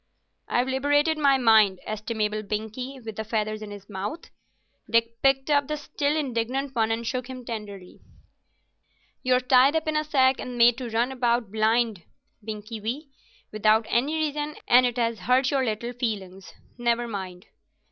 "I've liberated my mind, estimable Binkie, with the feathers in his mouth." Dick picked up the still indignant one and shook him tenderly. "You're tied up in a sack and made to run about blind, Binkie wee, without any reason, and it has hurt your little feelings. Never mind.